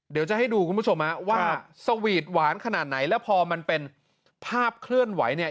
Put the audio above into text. เดี๋ยวจะให้ดูคุณผู้ชมฮะว่าสวีทหวานขนาดไหนแล้วพอมันเป็นภาพเคลื่อนไหวเนี่ย